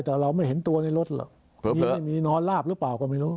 แต่เราไม่เห็นตัวในรถหรอกมีน้อนราบรึเปล่าก็ไม่รู้